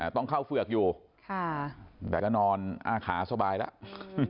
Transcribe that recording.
ต้องเข้าเฝือกอยู่แต่ก็นอนอ้าขาสบายแล้ว